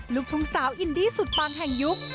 ลูกทุ่งสาวอินดี้สุดปังแห่งยุค